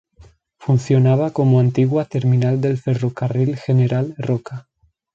Funcionaba como antigua terminal del Ferrocarril General Roca.